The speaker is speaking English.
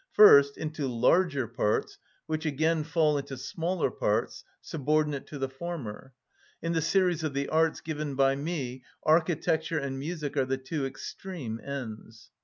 First, into larger parts, which again fall into smaller parts, subordinate to the former. In the series of the arts given by me architecture and music are the two extreme ends.